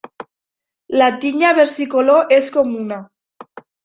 La tinya versicolor és comuna.